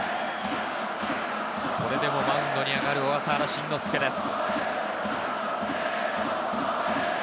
それでもマウンドに上がる小笠原慎之介です。